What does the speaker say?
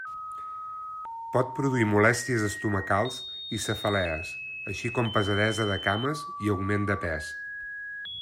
Pot produir molèsties estomacals i cefalees, així com pesadesa de cames i augment de pes.